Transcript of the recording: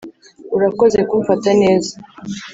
urakoze kumfata neza